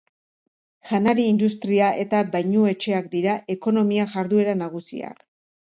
Janari-industria eta bainuetxeak dira ekonomia-jarduera nagusiak.